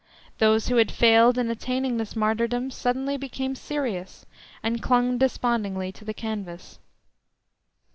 Those who had failed in attaining this martyrdom suddenly became serious, and clung despondingly to the canvas.